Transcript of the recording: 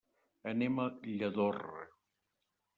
Anem a Lladorre.